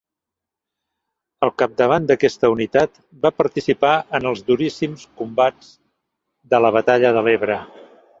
Al capdavant d'aquesta unitat va participar en els duríssims combats de la batalla de l'Ebre.